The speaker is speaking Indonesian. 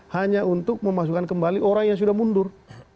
hanya untuk memasukkan kembali orang yang sudah mundur